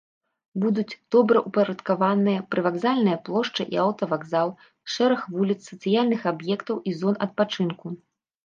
Будуць добраўпарадкаваныя прывакзальная плошча і аўтавакзал, шэраг вуліц, сацыяльных аб'ектаў і зон адпачынку.